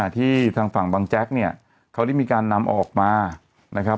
ที่ทางฝั่งบังแจ๊กเขาได้มีการนำออกมา